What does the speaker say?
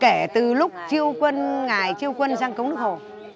kể từ lúc ngài triêu quân sang cống đức hồ